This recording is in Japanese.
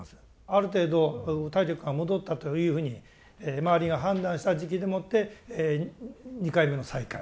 ある程度体力が戻ったというふうに周りが判断した時期でもって２回目の再開。